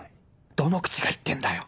どの口が言ってんだよ！